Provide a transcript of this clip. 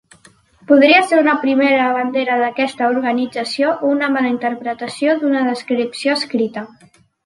Podria ser una primera bandera d'aquesta organització o una mala interpretació d'una descripció escrita.